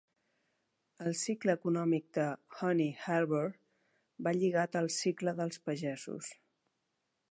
El cicle econòmic de Honey Harbour va lligat al cicle dels pagesos.